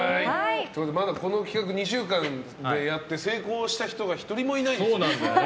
この企画２週間やって成功した人が１人もいないんですよ。